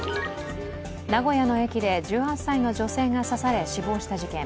名古屋の駅で１８歳の女性が刺され死亡した事件。